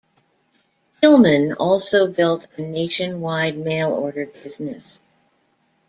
Gilman also built a nationwide mail order business.